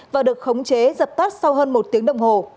và được khống chế dập tắt sau hơn một tiếng đồng hồ